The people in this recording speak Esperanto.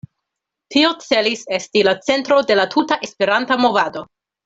Tio celis esti la centro de la tuta Esperanta movado.